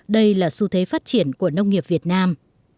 đây là xu thế phát triển của nông nghiệp việt nam